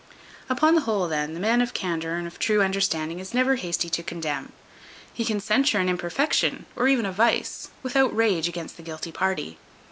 Upon the whole, then, the man of candour and of true understanding is never hasty to condemn. He can censure an imperfection, or even a vice, without rage against the guilty party.